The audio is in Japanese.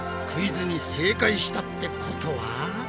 クイズに正解したってことは？